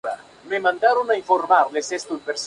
Crecimiento poblacional